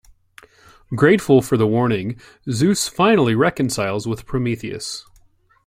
Grateful for the warning, Zeus finally reconciles with Prometheus.